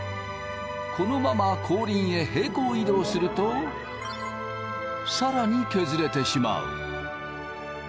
このまま後輪へ平行移動すると更に削れてしまう。